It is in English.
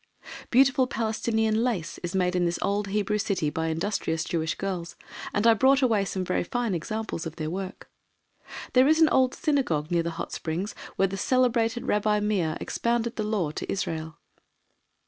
Beautiful Palestinian lace is made in this old Hebrew city by industrious Jewish girls, and I brought away some very fine examples of their work. There is an old synagogue near the Hot Springs where the celebrated Rabbi Meir expounded the law to Israel.